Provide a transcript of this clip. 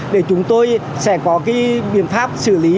để chúng tôi sẽ có biện pháp xử lý